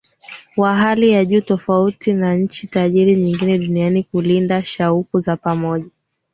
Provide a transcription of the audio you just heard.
wa hali ya juu tofauti na nchi tajiri nyingine duniani Kulinda shauku za pamoja